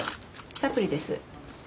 サプリです。